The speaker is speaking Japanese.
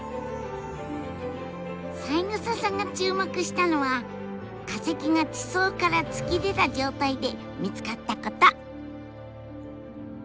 三枝さんが注目したのは化石が地層から突き出た状態で見つかったこと！